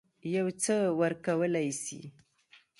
یو څه ورکولای سي.